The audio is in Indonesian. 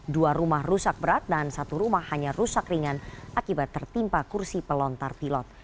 dua rumah rusak berat dan satu rumah hanya rusak ringan akibat tertimpa kursi pelontar pilot